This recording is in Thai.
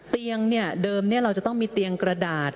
เตียงเดิมเราจะต้องมีเตียงกระดาษ